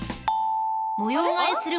［模様替えする］